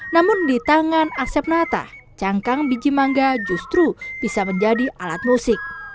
namun di tangan asepnata cangkang biji manga justru bisa menjadi alat musik